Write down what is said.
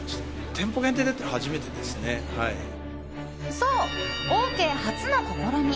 そう、オーケー初の試み！